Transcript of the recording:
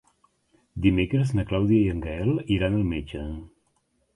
Dimecres na Clàudia i en Gaël iran al metge.